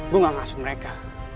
gue gak ngasut mereka